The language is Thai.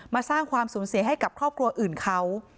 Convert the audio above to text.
สร้างความสูญเสียให้กับครอบครัวอื่นเขา